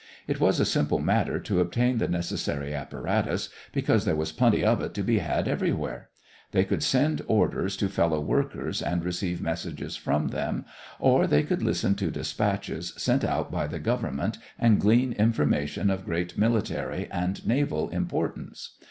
It was a simple matter to obtain the necessary apparatus, because there was plenty of it to be had everywhere. They could send orders to fellow workers and receive messages from them, or they could listen to dispatches sent out by the government and glean information of great military and naval importance.